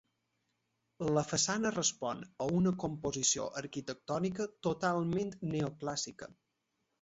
La façana respon a una composició arquitectònica totalment neoclàssica.